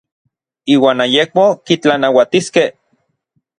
Iuan ayekmo kitlanauatiskej.